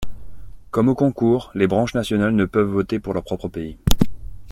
Comme au concours, les branches nationales ne peuvent voter pour leur propre pays.